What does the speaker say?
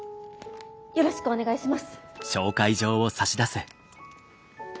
よろしくお願いします。